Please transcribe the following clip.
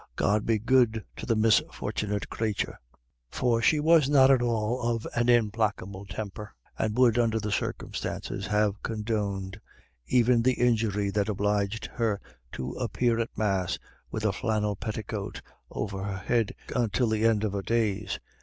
God be good to the misfort'nit crathur." For she was not at all of an implacable temper, and would, under the circumstances, have condoned even the injury that obliged her to appear at Mass with a flannel petticoat over her head until the end of her days.